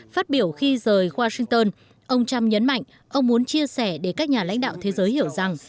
phát biểu khi rời washington ông trump nhấn mạnh ông muốn chia sẻ để các nhà lãnh đạo thế giới hiểu rằng